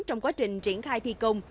trong quá trình triển khai thi công